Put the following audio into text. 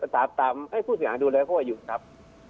ตามให้ผู้สามารถดูแลเขาอยู่ครับ